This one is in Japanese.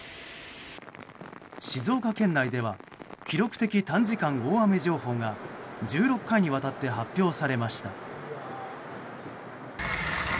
静岡県内では記録的短時間大雨情報が１６回にわたって発表されました。